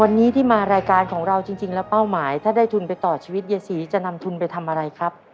วันนี้ที่มารายการของเราจริงแล้วเป้าหมายถ้าได้ทุนไปต่อชีวิตยายศรีจะนำทุนไปทำอะไรครับ